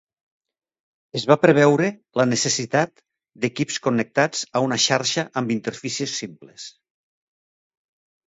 Es va preveure la necessitat d'equips connectats a una xarxa amb interfícies simples.